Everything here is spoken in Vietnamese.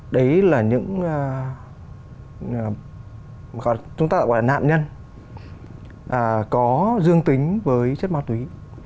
đấy là những chúng ta gọi là nạn nhân có dương tính với chất ma túy